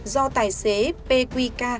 do tài xế pqk